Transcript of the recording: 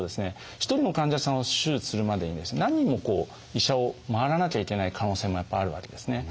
一人の患者さんを手術するまでにですね何人もこう医者を回らなきゃいけない可能性もやっぱあるわけですね。